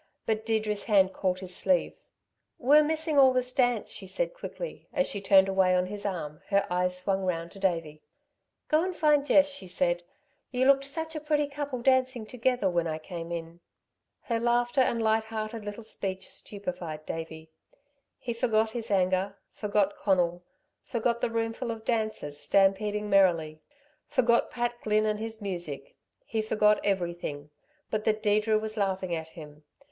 But Deirdre's hand caught his sleeve. "We're missing all this dance," she said quickly. As she turned away on his arm, her eyes swung round to Davey. "Go and find Jess," she said, "you looked such a pretty couple dancing together when I came in." Her laughter and light hearted little speech stupefied Davey. He forgot his anger, forgot Conal, forgot the roomful of dancers stampeding merrily, forgot Pat Glynn and his music. He forgot everything, but that Deirdre was laughing at him.